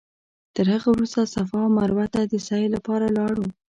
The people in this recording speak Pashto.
تر هغه وروسته صفا او مروه ته د سعې لپاره لاړو.